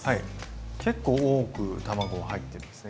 結構多く卵は入ってるんですね。